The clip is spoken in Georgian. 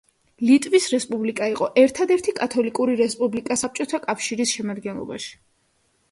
ლიტვის რესპუბლიკა იყო ერთადერთი კათოლიკური რესპუბლიკა საბჭოთა კავშირის შემადგენლობაში.